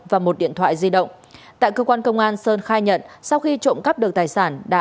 và một điện thoại di động tại cơ quan công an sơn khai nhận sau khi trộm cắp được tài sản đã